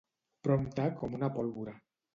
Prompte com una pólvora.